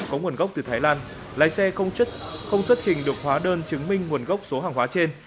có nguồn gốc từ thái lan lái xe không xuất trình được hóa đơn chứng minh nguồn gốc số hàng hóa trên